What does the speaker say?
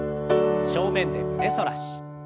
正面で胸反らし。